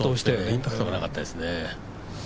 インパクトがなかったですね。